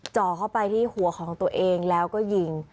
จ่อเข้าไปที่หัวของตัวเองแล้วก็ยิง